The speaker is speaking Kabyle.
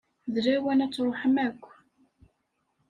D lawan ad d-truḥem akk.